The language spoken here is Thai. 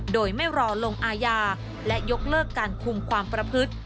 โดยไม่รอลงอาญาและยกเลิกการคุมความประพฤติ